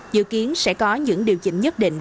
dự kiến sẽ có những điều chỉnh nhất định